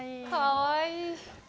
かわいい。